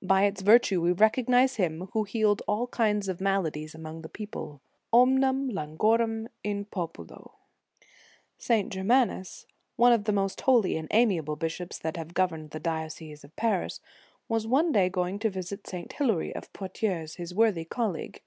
By its vir tue we recognize Him who healed all kinds of maladies among the people ; omnem Ian guorem in populo. * Vit. lib. vi. c. 5. n. 19. 1 66 The Sign of the Cross St. Germanus, one of the most holy and amiable bishops that have governed the dio cese of Paris, was one day going to visit St. Hilary of Poitiers, his worthy colleague.